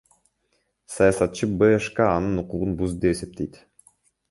Саясатчы БШК анын укугун бузду деп эсептейт.